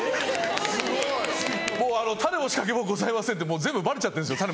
・すごい！・タネも仕掛けもございませんってもう全部バレちゃってるんですよ。